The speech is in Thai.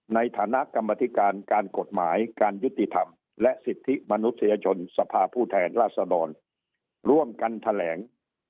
ในฐานะกรรมธิการการกฎหมายการยุติธรรมและสิทธิมนุษยชนสภาผู้แทนราษดรร่วมกันแถลง